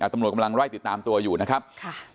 ตำรวจกำลังไล่ติดตามตัวอยู่นะครับ